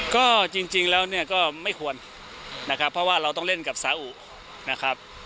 ก็จริงแล้วเนี่ยก็ไม่ควรนะครับเพราะว่าเราต้องเล่นกับสาอุนะครับ